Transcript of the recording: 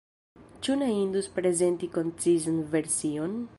Ĉu ne indus prezenti koncizan version?